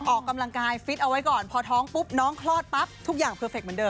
ออกกำลังกายฟิตเอาไว้ก่อนพอท้องปุ๊บน้องคลอดปั๊บทุกอย่างเพอร์เฟคเหมือนเดิ